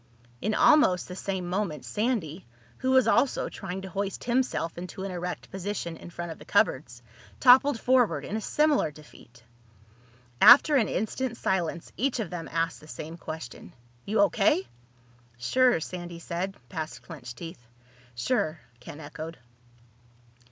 In almost the same moment Sandy, who was also trying to hoist himself into an erect position in front of the cupboards, toppled forward in a similar defeat. After an instant's silence each of them asked the same question. "You O.K.?" "Sure," Sandy said, past clenched teeth. "Sure," Ken echoed.